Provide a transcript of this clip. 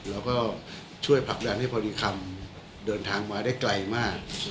เราก็ช่วยผลักแรงให้พลีคลัมเดินทางมาได้ไกลมาก